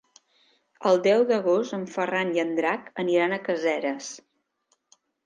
El deu d'agost en Ferran i en Drac aniran a Caseres.